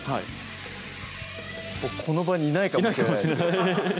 この場にいないかもしれないです